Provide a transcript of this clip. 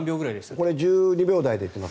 これ１２秒台で行ってます。